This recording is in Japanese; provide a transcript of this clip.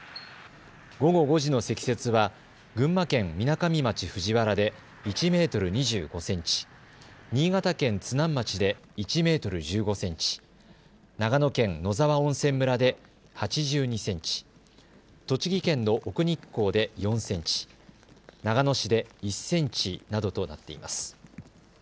午後５時の積雪は群馬県みなかみ町藤原で１メートル２５センチ、新潟県津南町で１メートル１５センチ、長野県野沢温泉村で、８２センチ、栃木県の奥日光で４センチ、長野市で１センチなどとなっています。